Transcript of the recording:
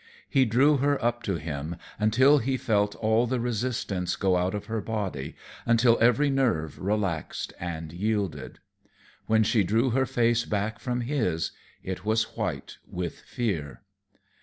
He drew her up to him until he felt all the resistance go out of her body, until every nerve relaxed and yielded. When she drew her face back from his, it was white with fear.